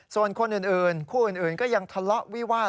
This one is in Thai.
ส่วนคนอื่นก็ยังทะเลาะวิวาท